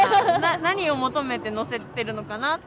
何を求めて載せてるのかなって。